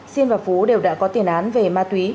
sinh và phú đều đã có tiền án về ma túy